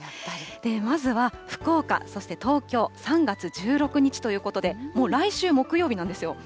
まずは福岡、そして東京、３月１６日ということで、もう来週木曜日なんですよ。